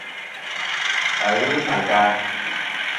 A ghɨ ankaŋ.